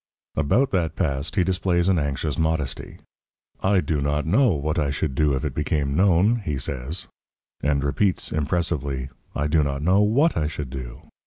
About that past he displays an anxious modesty. "I do not KNOW what I should do if it became known," he says; and repeats, impressively, "I do not know WHAT I should do."